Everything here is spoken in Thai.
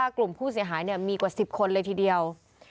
กลุ่มผู้เสียหายมีกว่า๑๐คนเลยทีเดียว